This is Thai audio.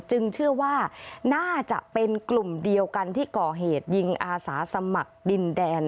เชื่อว่าน่าจะเป็นกลุ่มเดียวกันที่ก่อเหตุยิงอาสาสมัครดินแดน